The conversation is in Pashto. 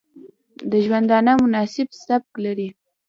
د ژوندانه مناسب سبک لري